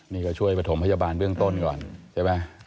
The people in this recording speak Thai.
นี่ก็ช่วยประถมพยาบาลเบื้องต้นก่อนใช่ไหม